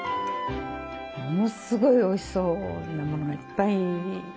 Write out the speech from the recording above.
ものすごいおいしそうなものがいっぱい写ってたんですね。